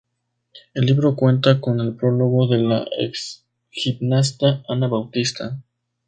El libro cuenta con el prólogo de la exgimnasta Ana Bautista.